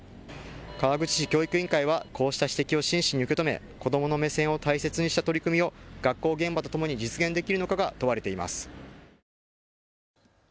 川口市教育委員会はこうした指摘を真摯に受け止め子どもの目線を大切にした取り組みを学校現場とともに実現できるのかが問われています。